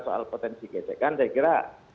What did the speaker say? soal potensi gesekan saya kira